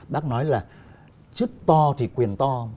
bác nói là chức to thì quyền to